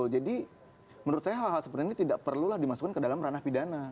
jadi menurut saya hal hal seperti ini tidak perlulah dimasukkan ke dalam ranah pidana